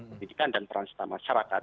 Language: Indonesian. pendidikan dan peran serta masyarakat